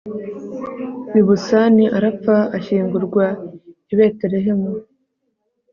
ibusani arapfa, ashyingurwa i betelehemu